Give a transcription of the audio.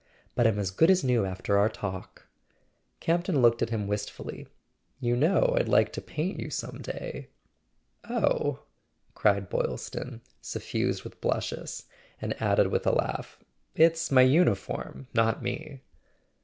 But I'm as good as new after our talk." Campton looked at him wistfully. "You know I'd like to paint you some day." "Oh " cried Boylston, suffused with blushes; and added with a laugh: "It's my uniform, not me."